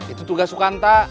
itu tugas sukanta